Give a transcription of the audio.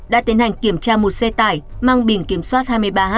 đã tiến hành kiểm tra một xe tải mang bình kiểm soát hai mươi ba h một trăm năm mươi hai